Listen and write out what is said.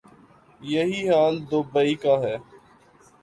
یہی حال دوبئی کا ہے۔